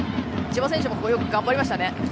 千葉選手もここよく頑張りましたね。